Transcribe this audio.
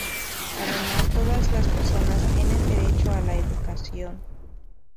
Además, todas las personas tienen derecho a la educación.